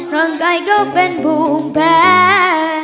ร่างกายก็เป็นภูมิแพ้